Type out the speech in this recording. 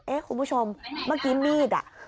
เอ๊ะคุณผู้ชมเมื่อกี้มีด